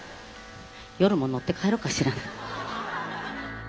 夜も乗って帰ろうかしら」。